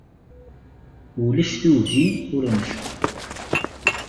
Ulac tuggi ur ncaḍ.